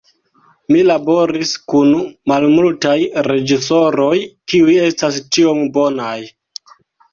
Mi laboris kun malmultaj reĝisoroj kiuj estas tiom bonaj".